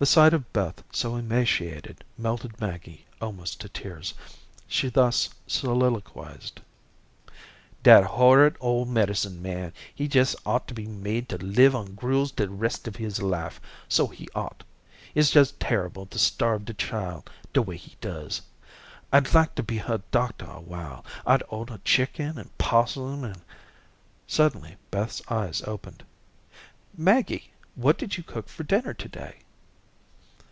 The sight of Beth so emaciated melted Maggie almost to tears. She thus soliloquized: "Dat horrid ole medicine man, he jes' ought to be made to live on gruels de rest of his life, so he ought. It's jes' ter'ble to starve de chile de way he does. I'd like to be her doctah awhile. I'd order chicken and possum, an' " Suddenly Beth's eyes opened. "Maggie, what did you cook for dinner to day?"